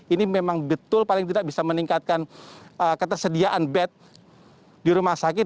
ini memang betul paling tidak bisa meningkatkan ketersediaan bed di rumah sakit